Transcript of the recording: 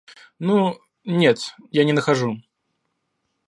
Ну, нет, я не нахожу.